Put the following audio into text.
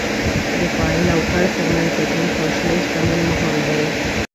د فاعل او کړ ترمنځ د جنس او شمېر سمون مهم دی.